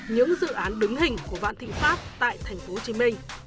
những dự án đứng hình của vạn thị pháp tại tp hcm